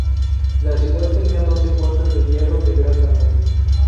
La ciudad tenía doce puertas de hierro de gran tamaño.